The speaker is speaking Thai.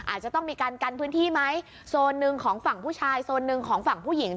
อาจจะต้องมีการกันพื้นที่ไหมโซนหนึ่งของฝั่งผู้ชายโซนหนึ่งของฝั่งผู้หญิง